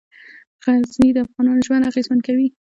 غزني د افغانانو ژوند اغېزمن کوي.